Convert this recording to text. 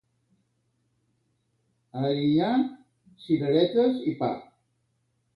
A Erinyà, cireretes i pa.